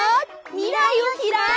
未来をひらく！